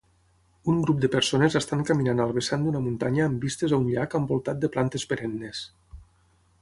Un grup de persones estan caminant al vessant d'una muntanya amb vistes a un llac envoltat de plantes perennes.